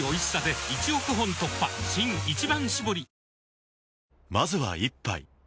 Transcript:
新「一番搾り」